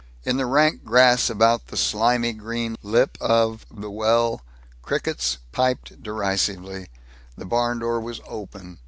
In the rank grass about the slimy green lip of the well, crickets piped derisively. The barn door was open.